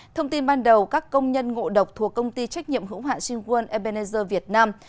thông tin ban đầu các công nhân ngộ độc thuộc công ty trách nhiệm hữu hạ sinh quân ebenezer việt nam